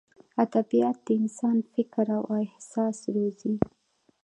ادبیات د انسان فکر او احساس روزي.